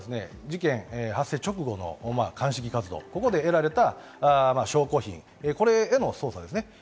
まず事件発生直後の鑑識活動、ここで得られた証拠品、これへの捜査ですね。